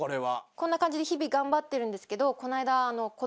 こんな感じで日々頑張ってるんですけどこの間。